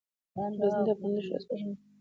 غزني د افغان ښځو په ژوند کې رول لري.